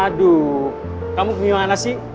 aduh kamu gimana sih